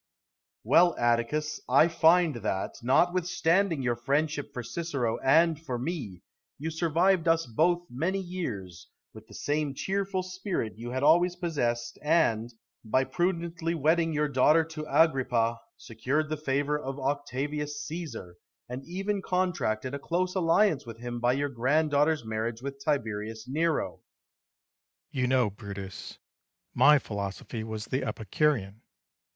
Well, Atticus, I find that, notwithstanding your friendship for Cicero and for me, you survived us both many years, with the same cheerful spirit you had always possessed, and, by prudently wedding your daughter to Agrippa, secured the favour of Octavius Caesar, and even contracted a close alliance with him by your granddaughter's marriage with Tiberius Nero. Atticus. You know, Brutus, my philosophy was the Epicurean.